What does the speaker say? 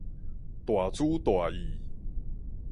大主大意